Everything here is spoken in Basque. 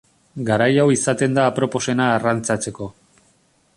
Garai hau izaten da aproposena arrantzatzeko.